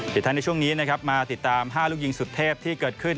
ท้ายในช่วงนี้นะครับมาติดตาม๕ลูกยิงสุดเทพที่เกิดขึ้น